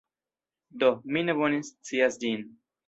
Do, mi ne bone scias ĝin